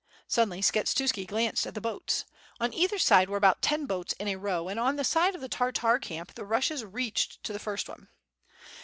Suddenly Skshetuski glanced at the boats. On either side were about ten boats in a row and on the side of the Tartar camp the rushes reax^hed to the first one.